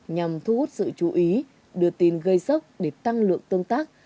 nhằm thu hút sự chú ý đưa tin gây sốc để tăng lượng tương tác